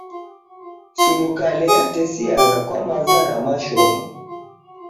Surukale yatesiagha kwa maza ra mashomo.